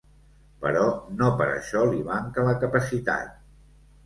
Però no per això li manca la capacitat.